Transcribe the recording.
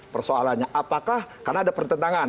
persoalannya apakah karena ada pertentangan